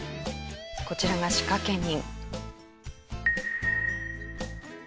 こちらが仕掛け人。